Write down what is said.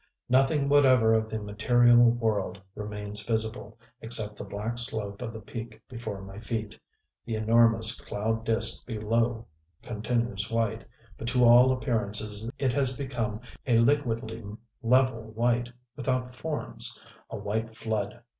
Nothing whatever of the material world remains visible, except the black slope of the peak before my feet. The enormous cloud disk below continues white; but to all appearance it has become a liquidly level white, without forms, a white flood.